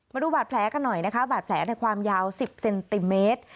มาดูบาดแผลกันบาดแผลในความยาว๑๐เซนติเมตร